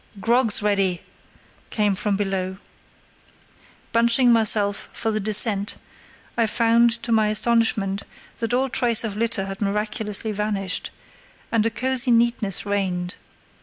"Grog's ready!" came from below. Bunching myself for the descent I found to my astonishment that all trace of litter had miraculously vanished, and a cosy neatness reigned.